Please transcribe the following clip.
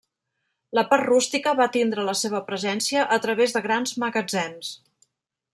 La part rústica va tindre la seva presència a través de grans magatzems.